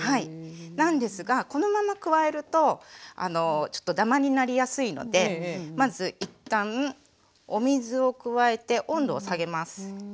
なんですがこのまま加えるとちょっとダマになりやすいのでまず一旦お水を加えて温度を下げます。